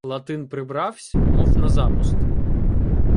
Латин прибравсь, мов на запуст.